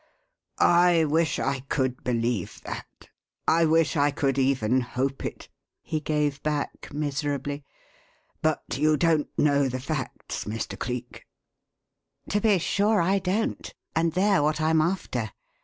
"I wish I could believe that, I wish I could even hope it," he gave back miserably. "But you don't know the facts, Mr. Cleek." "To be sure I don't; and they're what I'm after.